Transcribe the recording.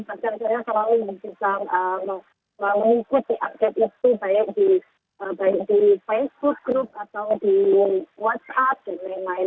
bahkan saya selalu bisa mengikuti update itu baik di facebook group atau di whatsapp dan lain lain